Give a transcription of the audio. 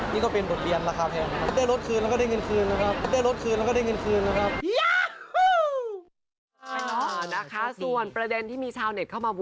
นี่ก็เป็นบทเรียนราคาแพงนะครับ